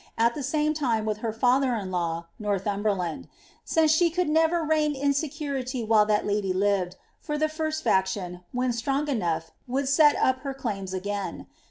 at the same time with her laiher in law, Northumberland ; ■he could never reign in security while that ludy lived, for the first ft tiuni when strong enough, would set up her claims again.